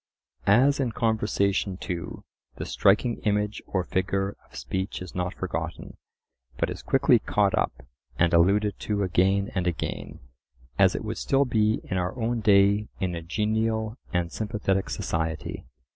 As in conversation too, the striking image or figure of speech is not forgotten, but is quickly caught up, and alluded to again and again; as it would still be in our own day in a genial and sympathetic society.